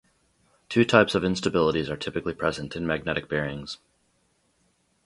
Two types of instabilities are typically present in magnetic bearings.